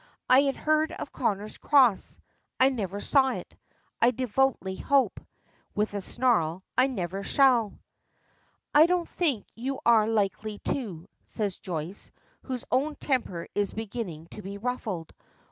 "I had heard of Connor's Cross. I never saw it. I devoutly hope," with a snarl, "I never shall." "I don't think you are likely to," says Joyce, whose own temper is beginning to be ruffled.